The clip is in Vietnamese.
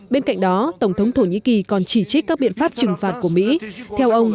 bên cạnh đó tổng thống thổ nhĩ kỳ còn chỉ trích các biện pháp trừng phạt của mỹ theo ông